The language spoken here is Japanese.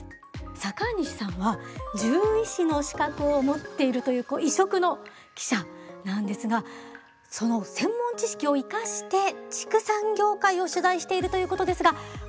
坂西さんは獣医師の資格を持っているという異色の記者なんですがその専門知識を生かして畜産業界を取材しているということですが今回は？